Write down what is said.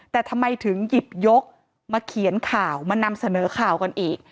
แต่ทำไมถึงหยิบยกมาเขียนข่าวมานำเสนอข่าวกันอีก